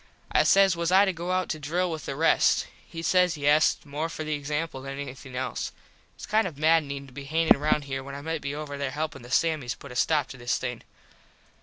I says was I to go out to drill with the rest. He said yes more for the example than anything else. Its kind of maddening to be hangin round here when I might be over there helpin the Sammies put a stop to this thing.